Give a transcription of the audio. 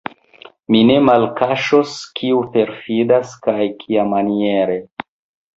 Mi ne malkaŝos, kiu perfidas, kaj kiamaniere.